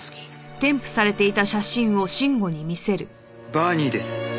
バーニーです。